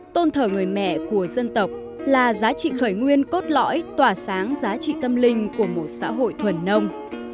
tôn thờ người mẹ của dân tộc là giá trị khởi nguyên cốt lõi tỏa sáng giá trị tâm linh của một xã hội thuần nông